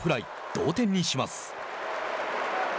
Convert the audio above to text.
同点にします。